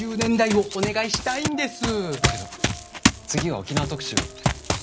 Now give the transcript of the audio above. だけど次は沖縄特集をって。